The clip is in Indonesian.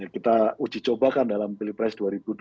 kita uji cobakan dalam pilpres dua ribu dua puluh